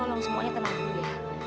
tolong semuanya tenang dulu ya